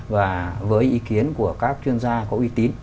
và với ý kiến của các chuyên gia có uy tín